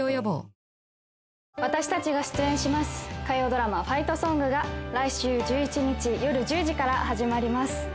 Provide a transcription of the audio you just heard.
火曜ドラマ「ファイトソング」が来週１１日よる１０時から始まります